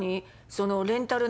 そのレンタル